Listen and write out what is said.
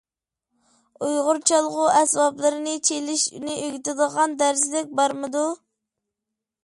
ئۇيغۇر چالغۇ ئەسۋابلىرىنى چېلىشنى ئۆگىتىدىغان دەرسلىك بارمىدۇ؟